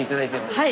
はい。